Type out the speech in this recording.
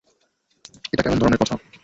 এটা কেমন ধরণের কথা?